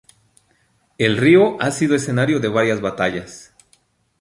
El río ha sido escenario de varias batallas.